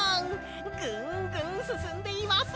ぐんぐんすすんでいます！